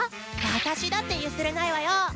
私だって譲れないわよ！